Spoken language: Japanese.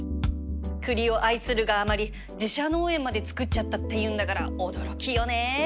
栗を愛するがあまり自社農園まで造っちゃったっていうんだから驚きよね